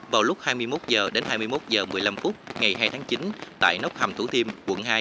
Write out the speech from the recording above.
vào lúc hai mươi một h đến hai mươi một h một mươi năm ngày hai tháng chín tại nốc hầm thủ thiêm quận hai